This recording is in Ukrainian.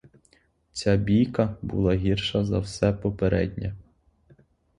Ця бійка була гірша за все попереднє.